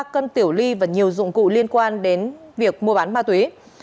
ba cân tiểu ly và nhiều dụng cụ liên quan đến việc mua bán ma túy